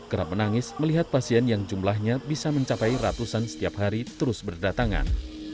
kerap menangis melihat pasien yang jumlahnya bisa mencapai ratusan setiap hari terus berdatangan